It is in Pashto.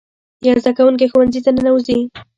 یو زده کوونکی ښوونځي ته ننوځي.